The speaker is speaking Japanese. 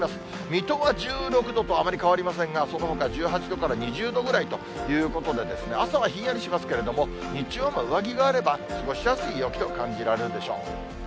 水戸が１６度と、あまり変わりませんが、そのほか１８度から２０度ぐらいということで、朝はひんやりしますけれども、日中は上着があれば過ごしやすい陽気と感じられるでしょう。